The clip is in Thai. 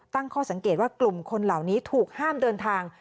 ตั้งข้อสังเกตว่ากลุ่มคนเหล่านี้ถูกห้ามเดินทาง